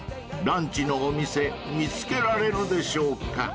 ［ランチのお店見つけられるでしょうか？］